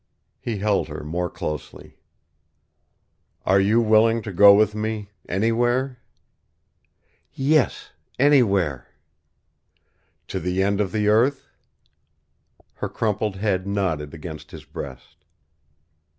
He held her more closely. "And you are willing to go with me anywhere?" "Yes, anywhere." "To the end of the earth?" Her crumpled head nodded against his breast.